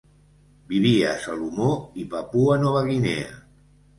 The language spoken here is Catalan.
Vivia a Salomó i Papua Nova Guinea.